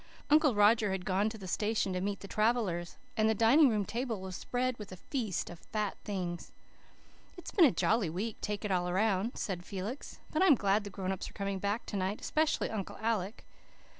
Uncle Roger had gone to the station to meet the travellers, and the dining room table was spread with a feast of fat things. "It's been a jolly week, take it all round," said Felix, "but I'm glad the grown ups are coming back to night, especially Uncle Alec."